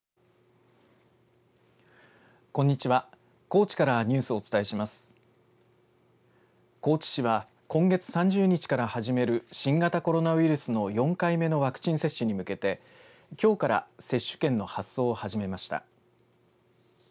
高知市は今月３０日から始める新型コロナウイルスの４回目のワクチン接種に向けてきょうから接種券の発送を始めました。